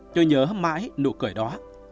tôi nhớ mãi nụ cười đó